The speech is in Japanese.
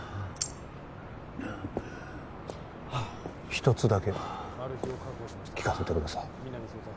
１つだけ聞かせてください